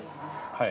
はい。